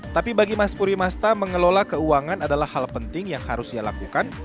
tapi bagi mas purwimasta mengelola keuangan adalah hal penting yang harus dilakukan